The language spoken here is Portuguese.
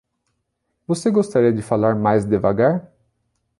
Você gostaria de falar mais devagar?